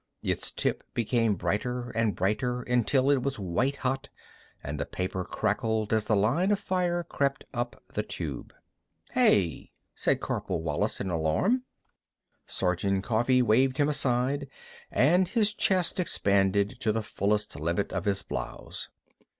Its tip became brighter and brighter until it was white hot, and the paper crackled as the line of fire crept up the tube. "Hey!" said Corporal Wallis in alarm. Sergeant Coffee waved him aside, and his chest expanded to the fullest limit of his blouse.